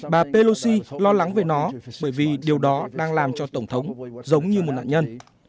bà pelosi lo lắng về nó bởi vì điều đó đang làm cho tổng thống giống như một nạn nhân